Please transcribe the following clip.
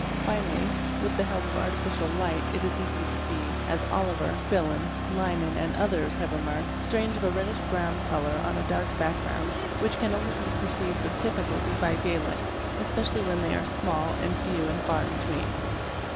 Finally, with the help of artificial light it is easy to see, as Olliver®®, Billon, _ Liman, and others have remarked, stains of a reddish brown colour ona dark background, which can only be perceived with difficulty by 558 TRACES OF BLOOD day light, especially when they are small and few and far between.